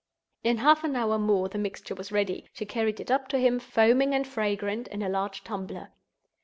In half an hour more the mixture was ready. She carried it up to him, foaming and fragrant, in a large tumbler.